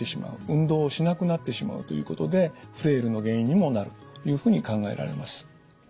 運動をしなくなってしまうということでフレイルの原因にもなるというふうに考えられます。